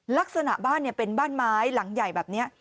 ลักษณะบ้านเป็นบ้านไม้หลังใหญ่แบบนี้